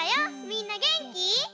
みんなげんき？